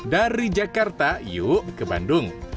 dari jakarta yuk ke bandung